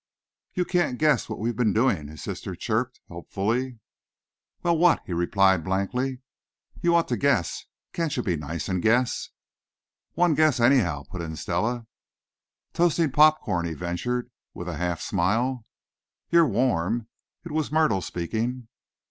"You can't guess what we've been doing!" his sister chirped helpfully. "Well what?" he replied blankly. "You ought to guess. Can't you be nice and guess?" "One guess, anyhow," put in Stella. "Toasting pop corn," he ventured with a half smile. "You're warm." It was Myrtle speaking.